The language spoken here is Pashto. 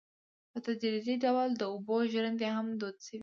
په تدریجي ډول د اوبو ژرندې هم دود شوې.